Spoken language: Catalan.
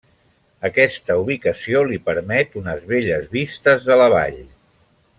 Aquesta ubicació li permet unes belles vistes de la vall.